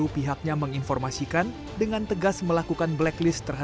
pihaknya menginformasikan dengan tegas melakukan blacklist